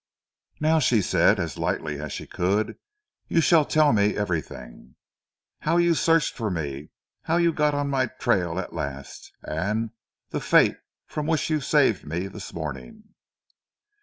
"Now," she said, as lightly as she could, "you shall tell me everything. How you searched for me, how you got on my trail at last, and the fate from which you saved me this morning."